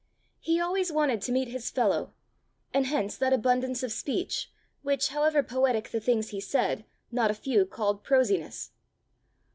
He always wanted to meet his fellow, and hence that abundance of speech, which, however poetic the things he said, not a few called prosiness.